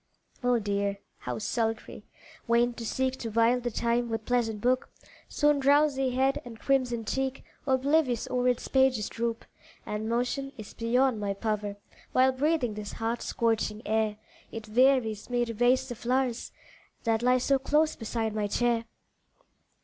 Oh dear! how sultry! vain to seek To while the time with pleasant book, Soon drowsy head and crimsoned cheek Oblivious o'er its pages droop And motion is beyond my power, While breathing this hot, scorching air, It wearies me to raise the flowers, That lie so close beside my chair.